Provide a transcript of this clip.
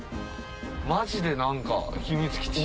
マジで何か秘密基地。